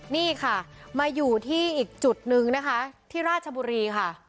นี่ค่ะมาอยู่ที่อีกจุดนึงนะคะที่ราชบุรีค่ะ